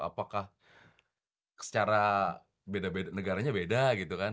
apakah secara beda beda negaranya beda gitu kan